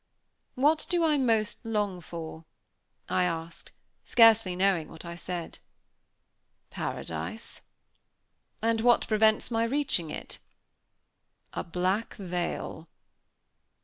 "What do I most long for?" I asked, scarcely knowing what I said. "Paradise." "And what prevents my reaching it?" "A black veil."